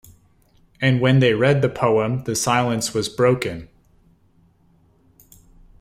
And when they read the poem, the silence was broken.